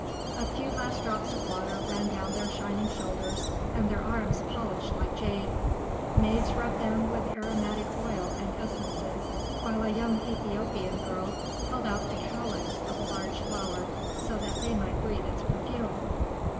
A few last drops of water ran down their shining shoulders and their arms polished like jade. Maids rubbed them with aromatic oil and essences, while a young Ethiopian girl held out the calyx of a large flower so that they might breathe its perfume.